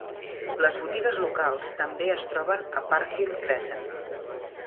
Les botigues locals també es troben a Parkhill Crescent.